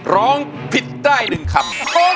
ร้องผิดได้หนึ่งคำ